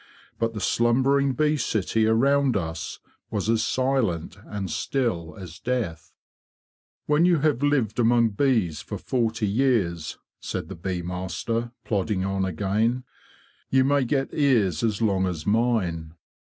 But the slumbering bee city around us was as silent and still as death. 'When you have lived among bees for forty 92 THE BEE MASTER OF WARRILOW years,' said the bee master, plodding on again, '* you may get ears as long as mine.